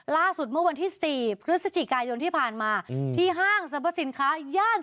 ล่าสุดเมื่อวันที่๔พฤศจิกายนที่ผ่านมาที่ห้างสรรพสินค้าย่าน